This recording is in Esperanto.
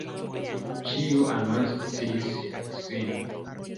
Ĉiu anoncis sin.